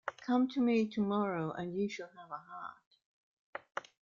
Come to me tomorrow and you shall have a heart.